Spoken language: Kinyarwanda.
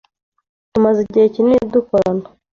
Tumaze igihe kinini dukorana.